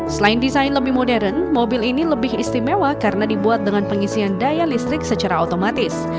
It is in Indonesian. selain desain lebih modern mobil ini lebih istimewa karena dibuat dengan pengisian daya listrik secara otomatis